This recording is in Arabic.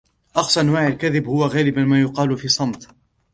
اقسى انواع الكذب هو غالباً ما يقال في صمت.